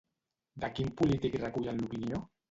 De quin polític recullen l'opinió?